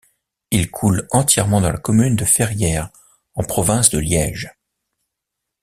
Il coule entièrement dans la commune de Ferrières en province de Liège.